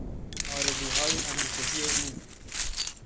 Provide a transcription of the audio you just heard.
آرزوهای همیشگی او